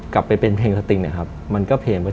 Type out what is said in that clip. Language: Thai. กลับไปเพลงสติง